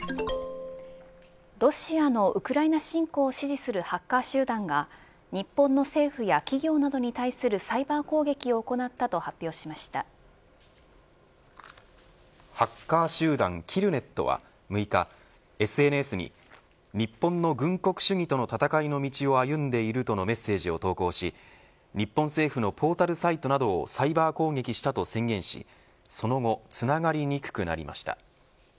ロシアのウクライナ侵攻を支持するハッカー集団が日本の政府や企業などに対するサイバー攻撃を行ったとハッカー集団キルネットは６日ＳＮＳに日本の軍国主義との戦いの道を歩んでいるとのメッセージを投稿し日本政府のポータルサイトなどをサイバー攻撃したと宣言しその後つながりにくくなりました。